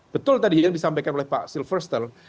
betul tadi yang disampaikan oleh pak silverstal